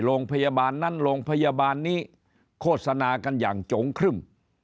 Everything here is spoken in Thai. โรงพยาบาลนั้นโรงพยาบาลนี้โฆษณากันอย่างโจ๋งครึ่ม